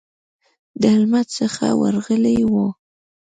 د هلمند څخه ورغلي وو.